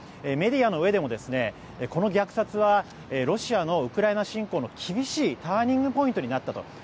メディアのうえでも、この虐殺はロシアのウクライナ侵攻の厳しいターニングポイントになったと。